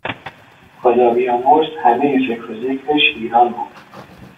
خدا بیامرز همه فکر و ذکرش ایران بود